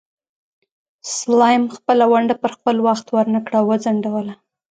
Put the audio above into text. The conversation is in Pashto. سلایم خپله ونډه پر خپل وخت ورنکړه او وځنډوله.